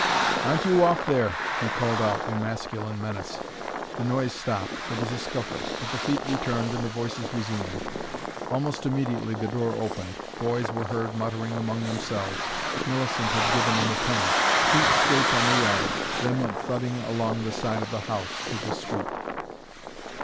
"Aren't you off there!" he called out, in masculine menace. The noise stopped, there was a scuffle. But the feet returned and the voices resumed. Almost immediately the door opened, boys were heard muttering among themselves. Millicent had given them a penny. Feet scraped on the yard, then went thudding along the side of the house, to the street.